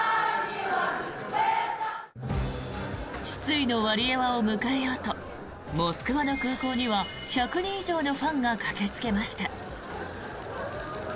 失意のワリエワを迎えようとモスクワの空港には１００人以上のファンが駆けつけました。